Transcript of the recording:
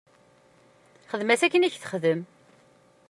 Xdem-as akken i k-texdem.